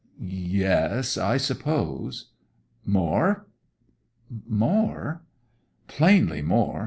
'Yes; I suppose.' 'More.' 'More?' 'Plainly more.